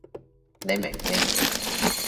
你明未？